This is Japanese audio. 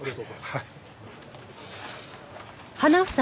はい。